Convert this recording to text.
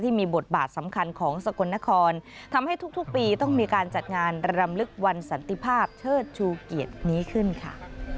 มีบทบาทสำคัญของสกลนครทำให้ทุกปีต้องมีการจัดงานรำลึกวันสันติภาพเชิดชูเกียรตินี้ขึ้นค่ะ